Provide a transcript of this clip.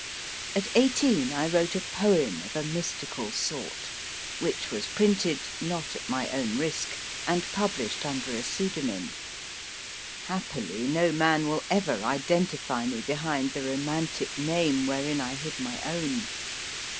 At eighteen I wrote a poem of a mystical sort, which was printed (not at my own risk) and published under a pseudonym. Happily, no man will ever identify me behind the romantic name wherein I hid my own.